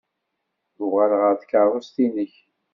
Uɣal ɣer tkeṛṛust-nnek!